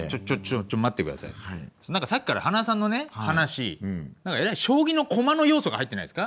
何かさっきから塙さんのね話えらい将棋の駒の要素が入ってないですか？